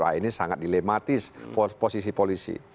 wah ini sangat dilematis posisi